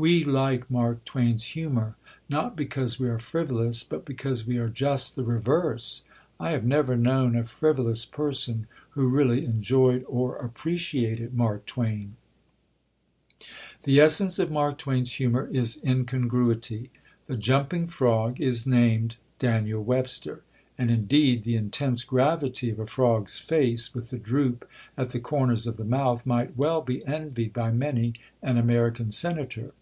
We like Mark Twain's humour, not because we are frivolous, but because we are just the reverse. I have never known a frivolous person who really enjoyed or appreciated Mark Twain. The essence of Mark Twain's humour is Incongruity. The jumping frog is named Daniel Webster; and, indeed, the intense gravity of a frog's face, with the droop at the corners of the mouth, might well be envied by many an American Senator.